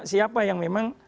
siapa yang memang